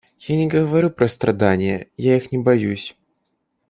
Я не говорю про страдания, я их не боюсь.